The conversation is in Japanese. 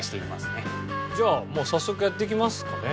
じゃあもう早速やっていきますかね。